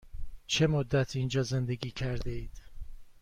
چه مدت اینجا زندگی کرده اید؟